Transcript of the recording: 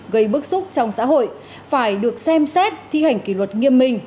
gây bức xúc trong xã hội phải được xem xét thi hành kỷ luật nghiêm minh